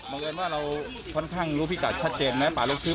มองแวลนมาเราค่อนข้างรู้พี่กัชชัดเจนนะ